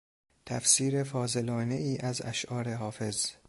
تفسیر فاضلانهای از اشعار حافظ